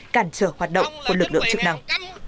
cản trở hoạt động của lực lượng chức năng